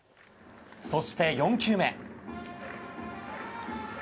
そして、４球目。